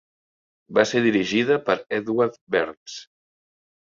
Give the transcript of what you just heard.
Va ser dirigida per Edward Bernds.